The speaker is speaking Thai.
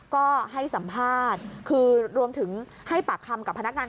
ก็ให้สัมภาษณ์คือรวมถึงให้ปากคำกับพนักงาน